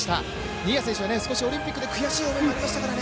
新谷選手がオリンピックで少し悔しい思いもありましたからね。